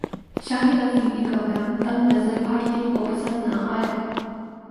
شاہد افریدی کا بیان تنگ نظر بھارتیوں کو پسند نہ ایا